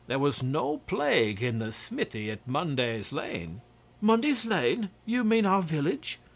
There was no plague in the smithy at Munday's Lane ' 'Munday's Lane? You mean our village?